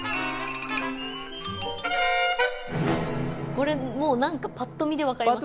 これもう何かぱっと見で分かりますね。